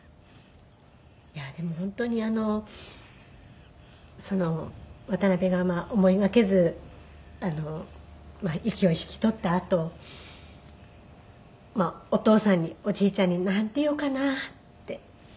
いやでも本当に渡辺がまあ思いがけず息を引き取ったあとお義父さんにおじいちゃんになんて言おうかなって。